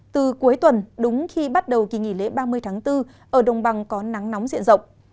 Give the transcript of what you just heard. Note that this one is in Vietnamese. từ cuối tuần đúng khi bắt đầu kỳ nghỉ lễ ba mươi tháng bốn ở đồng bằng có nắng nóng diện rộng